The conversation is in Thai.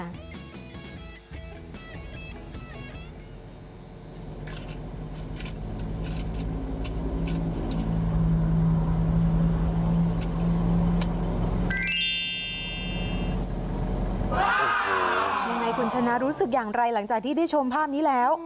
ยังไงคุณชนะรู้สึกอย่างไรหลังจากที่ได้ชมภาพนี้แล้ว